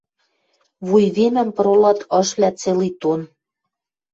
Вуйвимӹм пыролат ышвлӓ целый тонн.